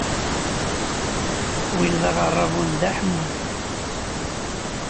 Win d aɣerrabu n Dda Ḥemmu.